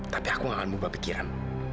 tapi aku gak akan berubah pikiran